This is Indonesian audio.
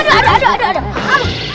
aduh aduh aduh